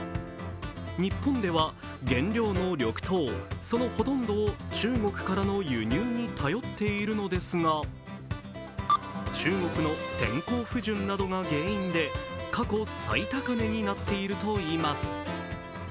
日本では原料の緑豆、そのほとんどを中国からの輸入に頼っているのですが中国の天候不順などが原因で過去最高値になっているといいます。